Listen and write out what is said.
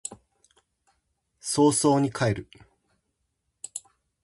早々に帰る